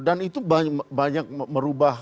dan itu banyak banyak merubah